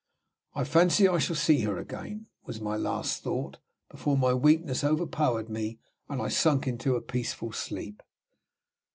"I fancy I shall see her again," was my last thought before my weakness overpowered me, and I sunk into a peaceful sleep.